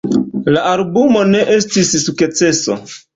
La albumo ne estis sukceso.